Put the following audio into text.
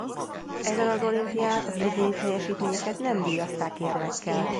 Ezen az olimpián az egyéni teljesítményeket nem díjazták érmekkel.